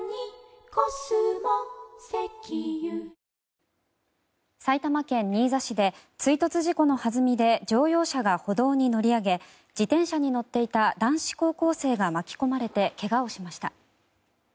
はぁ埼玉県新座市で追突事故の弾みで乗用車が歩道に乗り上げ自転車に乗っていた男子高校生が巻き込まれて怪我をしました。